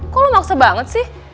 kok lo maksa banget sih